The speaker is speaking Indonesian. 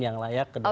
yang layak ke depan